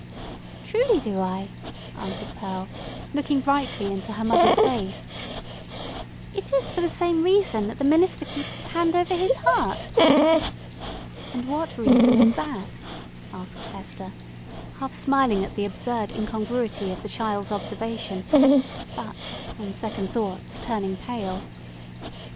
"Truly do I!" answered Pearl, looking brightly into her mother's face. "It is for the same reason that the minister keeps his hand over his heart!" "And what reason is that?" asked Hester, half smiling at the absurd incongruity of the child's observation; but on second thoughts turning pale.